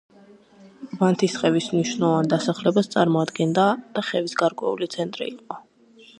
ვანთისხევის მნიშვნელოვან დასახლებას წარმოადგენდა და ხევის გარკვეული ცენტრი იყო.